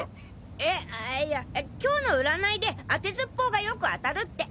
えあいや今日の占いであてずっぽうがよく当たるって。